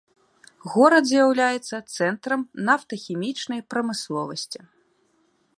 Горад з'яўляецца цэнтрам нафтахімічнай прамысловасці.